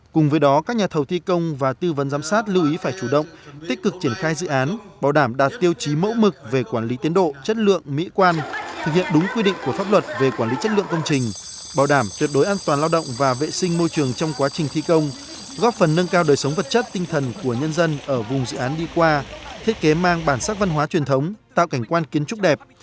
cùng với đó các nhà thầu thi công và tư vấn giám sát lưu ý phải chủ động tích cực triển khai dự án bảo đảm đạt tiêu chí mẫu mực về quản lý tiến độ chất lượng mỹ quan thực hiện đúng quy định của pháp luật về quản lý chất lượng công trình bảo đảm tuyệt đối an toàn lao động và vệ sinh môi trường trong quá trình thi công góp phần nâng cao đời sống vật chất tinh thần của nhân dân ở vùng dự án đi qua thiết kế mang bản sắc văn hóa truyền thống tạo cảnh quan kiến trúc đẹp